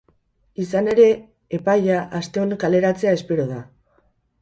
Izan ere, epaia asteon kaleratzea espero da.